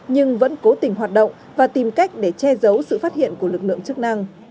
nhưng vẫn cố tình hoạt động và tìm cách để che giấu sự phát hiện của lực lượng chức năng